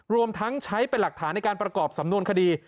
รวมทั้งใช้เป็นหลักฐานในการประกอบสำนวนคดี